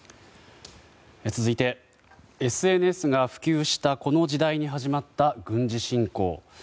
続いて、ＳＮＳが普及したこの時代に始まった軍事侵攻。